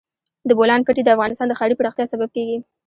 د بولان پټي د افغانستان د ښاري پراختیا سبب کېږي.